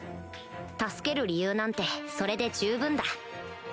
助ける理由なんてそれで十分だ